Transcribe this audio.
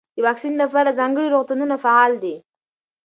د واکسین لپاره ځانګړي روغتونونه فعال دي.